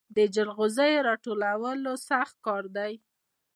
د جلغوزیو راټولول سخت کار دی